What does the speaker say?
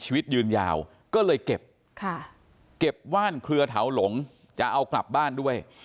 ชีวิตยืนยาวก็เลยเก็บเก็บว่านเครือเถาหลงจะเอากลับบ้านด้วย